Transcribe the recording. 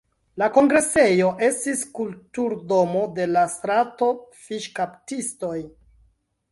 La kongresejo estis Kulturdomo de la Strato Fiŝkaptistoj.